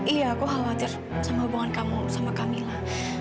iya aku khawatir sama hubungan kamu sama camilla